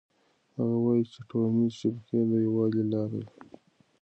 هغه وایي چې ټولنيزې شبکې د یووالي لاره ده.